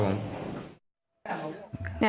ครับผม